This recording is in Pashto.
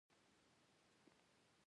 که غواړې ښه یاد سې، د نور بد مه بيانوه!